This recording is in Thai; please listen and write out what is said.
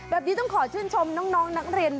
แบบนี้ต้องขอชื่นชมน้องนักเรียน